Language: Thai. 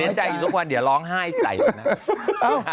เห็นใจอยู่ทุกวันเดี๋ยวร้องไห้ใส่มันนะ